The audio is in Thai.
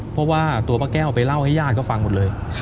เพราะว่าตัวป้าแก้วไปเล่าให้ญาติก็ฟังหมดเลย